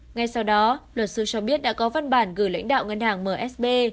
ngay sau đó luật sư cho biết đã có văn bản gửi lãnh đạo ngân hàng msb